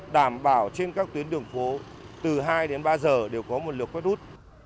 đảm bảo trên các tuyến đường phố từ hai đến ba giờ đều có một lượng quét hút